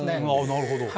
なるほど。